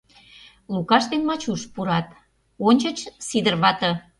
Лукаш ден Мачуш пурат, ончыч Сидыр вате.